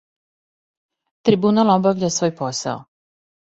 Трибунал обавља свој посао.